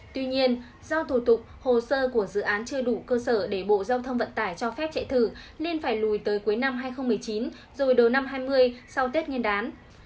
tuy nhiên do thủ tục hồ sơ của dự án chưa đủ cơ sở để bộ giao thông vận tải cho phép chạy thử nên phải lùi tới cuối năm hai nghìn một mươi chín rồi đầu năm hai mươi sau tết nguyên đán